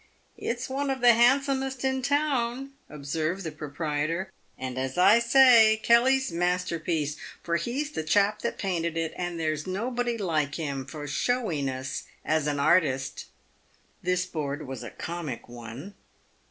"It's one of the handsomest in town," observed the pro prietor, " and as I say, Kelly's masterpiece — for he's the chap that painted it — and there's nobody like him for showiness as a artist." (This board was a comic one.)